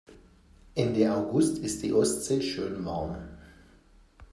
Ende August ist die Ostsee schön warm.